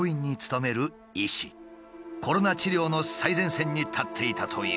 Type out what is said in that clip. コロナ治療の最前線に立っていたという。